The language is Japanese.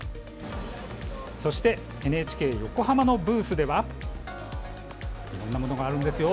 そしてＮＨＫ横浜のブースではいろんなものがあるんですよ。